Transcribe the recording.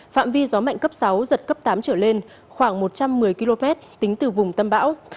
phạm vi gió mạnh cấp sáu giật cấp tám trở lên khoảng một trăm một mươi km tính từ vùng tâm bão